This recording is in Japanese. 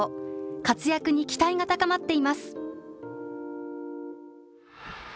活躍に期待が高まっています。